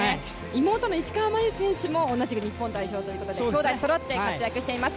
妹の石川真佑選手も同じく日本代表ということで兄妹そろって活躍しています。